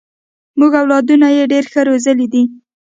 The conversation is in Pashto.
هغوی اولادونه یې ډېر ښه روزلي دي.